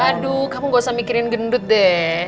aduh kamu gak usah mikirin gendut deh